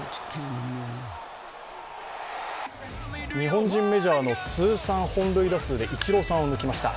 日本人メジャーの通算本塁打数でイチローさんを抜きました。